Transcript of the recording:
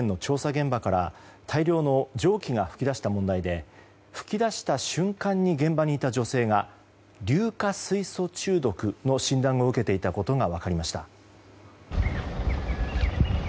現場から大量の蒸気が噴き出した問題で噴き出した瞬間に現場にいた女性が硫化水素中毒の診断を受けていたことが分かりました。